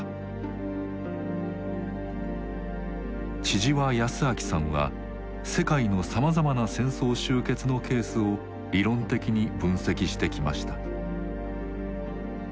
千々和泰明さんは世界のさまざまな戦争終結のケースを理論的に分析してきました。